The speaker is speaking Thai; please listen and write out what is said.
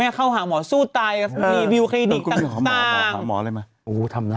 บีบสิวพี่หนุ่มหน่อย